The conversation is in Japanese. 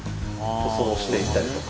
塗装していったりとか。